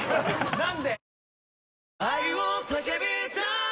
何で？